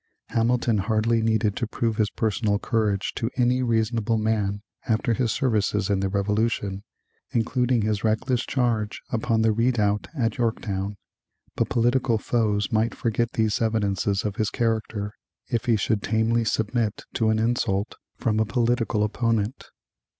Hamilton hardly needed to prove his personal courage to any reasonable man after his services in the Revolution, including his reckless charge upon the redoubt at Yorktown, but political foes might forget these evidences of his character if he should tamely submit to insult from a political opponent.